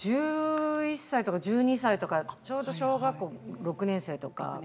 １１歳とか１２歳とか小学６年生とか。